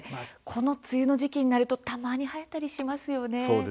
梅雨の時期になるとたまに生えたりしますよね。